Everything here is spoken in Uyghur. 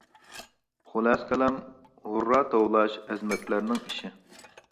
خۇلاسە كالام، ھۇررا توۋلاش ئەزىمەتلەرنىڭ ئىشى.